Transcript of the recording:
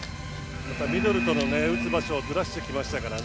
ミドルとの打つ場所をずらしてきましたからね。